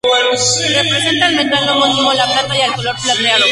Representa al metal homónimo, la plata, y al color plateado.